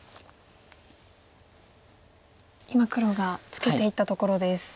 今黒がツケていったところです。